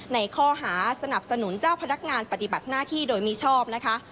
ในข้อหาสนับสนุนเจ้าพนักงานปฏิบัติหน้าที่โดยมิชอบนะคะ